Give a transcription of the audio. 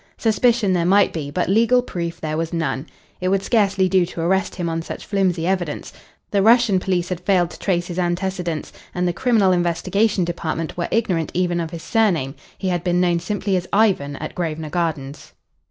Suspicion there might be, but legal proof there was none. It would scarcely do to arrest him on such flimsy evidence. The Russian police had failed to trace his antecedents, and the Criminal Investigation Department were ignorant even of his surname. He had been known simply as Ivan at Grosvenor Gardens.